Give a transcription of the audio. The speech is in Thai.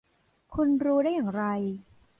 คุณรู้ได้อย่างไร ?